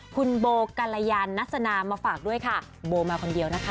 คุณโบกัลยานนัสนามาฝากด้วยค่ะโบมาคนเดียวนะคะ